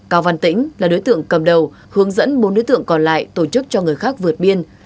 cao văn tĩnh là đối tượng cầm đầu hướng dẫn bốn đối tượng còn lại tổ chức cho người khác vượt biên